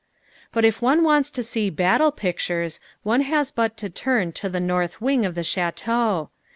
But if one wants to see battle pictures, one has but to turn to the north wing of the Château.